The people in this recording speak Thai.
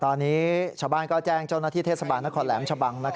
ตอนนี้ชาวบ้านก็แจ้งเจ้านาฏธิเทศบาลนักขอดแหลมชะบัง